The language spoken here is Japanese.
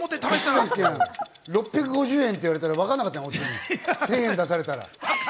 ６５０円って言われてわからなかった、お釣り１０００円出されたら。